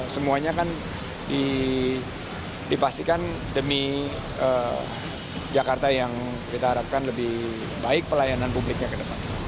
semuanya kan dipastikan demi jakarta yang kita harapkan lebih baik pelayanan publiknya ke depan